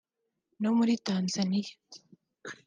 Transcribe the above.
no muri Tanzania